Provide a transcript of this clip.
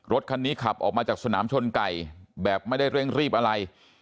รถคันนี้ขับออกมาจากสนามชนไก่แบบไม่ได้เร่งรีบอะไร